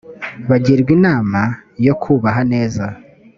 bagirwa inama yo kubaha neza